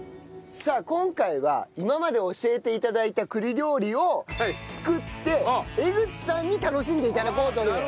さあ今回は今まで教えて頂いた栗料理を作って江口さんに楽しんで頂こうという。